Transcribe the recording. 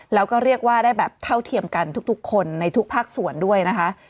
แล้วก็เรียกว่าได้แบบเท่าเทียมกันทุกคนในทุกภาคส่วนด้วยนะคะ